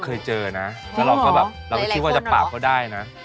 เคยเจอนะแล้วเราก็แบบเราก็คิดว่าจะปราบเขาได้นะ